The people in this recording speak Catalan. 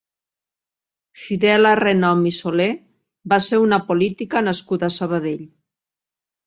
Fidela Renom i Soler va ser una política nascuda a Sabadell.